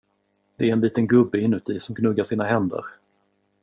Det är en liten gubbe inuti som gnuggar sina händer.